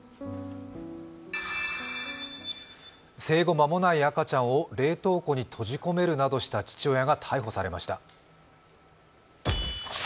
生後間もない赤ちゃんを冷凍庫に閉じ込めるなどした父親が逮捕されました。